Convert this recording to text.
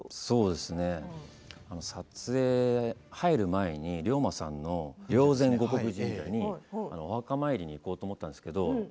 そうですね、撮影入る前に龍馬さんの霊山護国神社にお墓参りに行こうと思ったんですけど